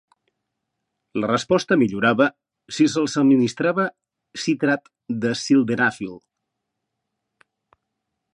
La resposta millorava si se'ls administrava citrat de sildenafil.